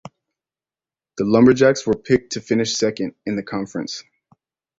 The Lumberjacks were picked to finish second in the conference.